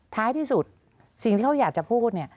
ท้ายที่สุดสิ่งที่เขาอยากจะพูดเนี่ย